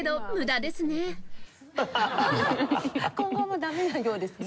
今後も駄目なようですね。